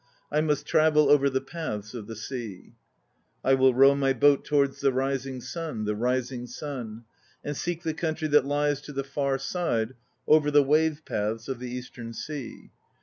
I must travel over the paths of the sea. I will row my boat towards the rising sun, The rising sun; And seek the country that lies to the far side Over the wave paths of the Eastern Sea.